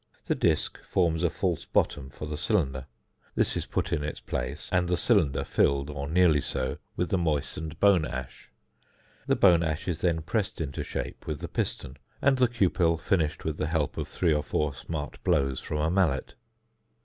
The disc forms a false bottom for the cylinder. This is put in its place, and the cylinder filled (or nearly so) with the moistened bone ash. The bone ash is then pressed into shape with the piston, and the cupel finished with the help of three or four smart blows from a mallet.